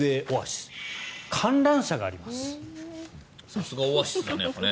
さすがオアシスだね。